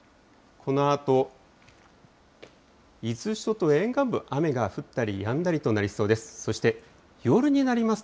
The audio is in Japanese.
このあと伊豆諸島沿岸部、雨が降ったりやんだりとなりそうです。